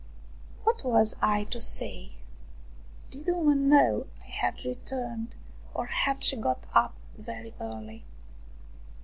What was I to say ? Did the woman know I had returned, or had she got up very early